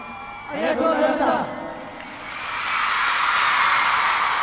ありがとうございましたっ